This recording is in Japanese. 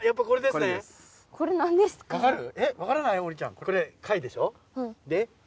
これ貝でしょ。